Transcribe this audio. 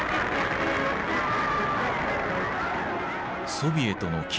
ソビエトの記録